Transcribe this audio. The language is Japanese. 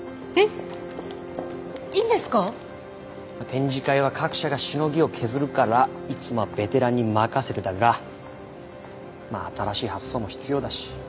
展示会は各社がしのぎを削るからいつもはベテランに任せてたがまあ新しい発想も必要だし。